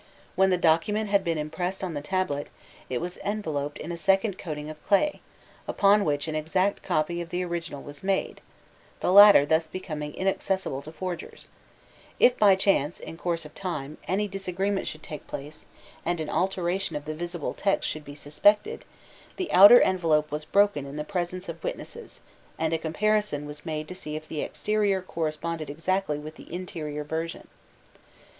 When the document had been impressed on the tablet, it was enveloped in a second coating of clay, upon which an exact copy of the original was made, the latter thus becoming inaccessible to forgers: if by chance, in course of time, any disagreement should take place, and an alteration of the visible text should be suspected, the outer envelope was broken in the presence of witnesses, and a comparison was made to see if the exterior corresponded exactly with the interior version.